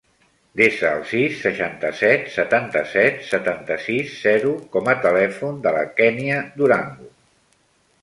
Desa el sis, seixanta-set, setanta-set, setanta-sis, zero com a telèfon de la Kènia Durango.